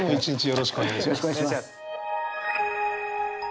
よろしくお願いします。